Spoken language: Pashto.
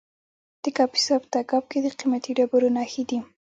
د کاپیسا په تګاب کې د قیمتي ډبرو نښې دي.